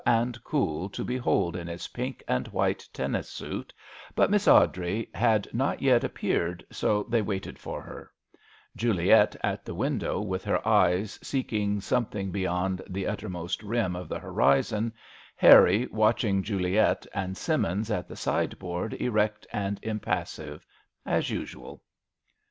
1 79 and cool to behold in his pink and white tennis suit, but Miss Awdrey had not yet appeared, so they waited for her : Juliet at the window with her eyes seeking something beyond the "utter most rim " of the horizon, Harry watching Juliet, and Simmins at the sideboard erect and impassive as usual.